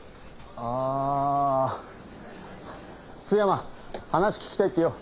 ああ須山話聞きたいってよ。